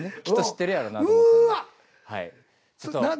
きっと知ってるやろなと。